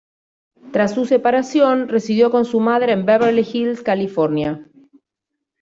Tras su separación, residió con su madre en Beverly Hills, California.